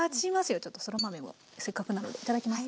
ちょっとそら豆もせっかくなのでいただきます。